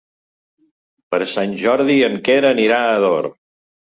Per Sant Jordi en Quer anirà a Ador.